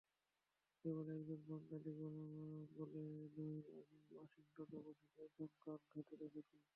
কেবল একজন বাঙালি বলে নয়, আমি ওয়াশিংটনে বসে পরিসংখ্যান ঘেঁটে দেখেছি।